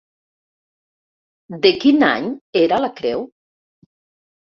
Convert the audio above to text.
De quin any era la creu?